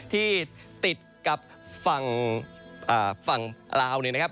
ที่ติดกับฝั่งลาวเนี่ยนะครับ